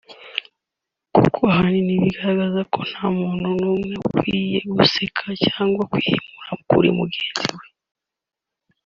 kuko ahanini bigaragaza ko nta muntu n’umwe ukwiye guseka cyangwa kwihimura kuri mugenzi we